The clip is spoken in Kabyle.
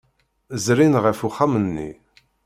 Zrin ɣef uxxam-nni.